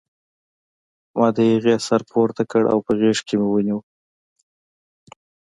ما د هغې سر پورته کړ او په غېږ کې مې ونیو